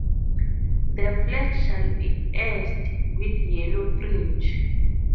The flag shall be edged with yellow fringe.